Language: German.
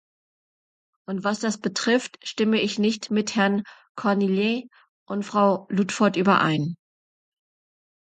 Und was das betrifft, stimme ich nicht mit Herrn Cornillet und Frau Ludford überein.